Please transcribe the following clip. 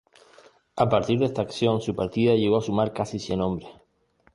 A partir de esta acción, su partida llegó a sumar casi cien hombres.